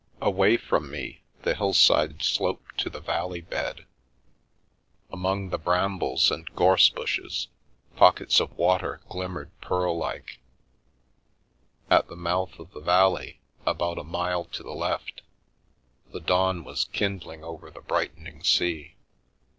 Away from me, the hillside sloped to the valley bed; among the brambles and gorse bushes, pockets of water glimmered pearl like; at the mouth of the valley, about a mile to the left, the dawn was kindling over the bright ening sea.